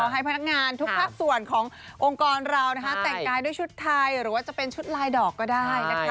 ให้พนักงานทุกภาคส่วนขององค์กรเราแต่งกายด้วยชุดไทยหรือว่าจะเป็นชุดลายดอกก็ได้นะคะ